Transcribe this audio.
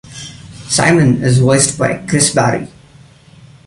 Simon is voiced by Chris Barrie.